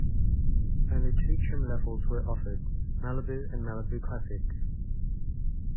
Only two trim levels were offered - Malibu and Malibu Classic.